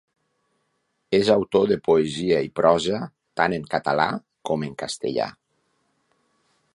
És autor de poesia i prosa tant en català com en castellà.